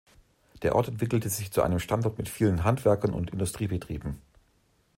Der Ort entwickelte sich zu einem Standort mit vielen Handwerkern und Industriebetrieben.